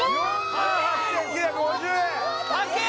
４８９５０円高え！